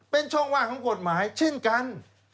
เป็นช่องว่างของกฎหมายเช่นกัน